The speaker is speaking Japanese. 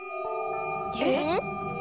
えっ？